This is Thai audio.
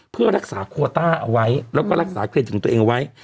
เพื่อรักษาโคต้าเอาไว้แล้วก็รักษาเครดิตของตัวเองเอาไว้